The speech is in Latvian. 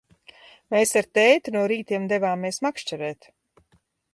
Mēs ar tēti no rītiem devāmies makšķerēt.